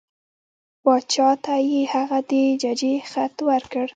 باچا ته یې هغه د ججې خط ورکړ.